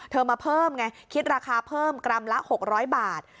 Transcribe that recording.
มาเพิ่มไงคิดราคาเพิ่มกรัมละ๖๐๐บาท